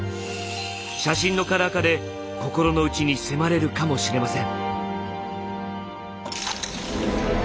写真のカラー化で心の内に迫れるかもしれません。